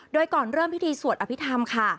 โดยก่อนเริ่มพิธีสวดอภิษฐรรมค่ะ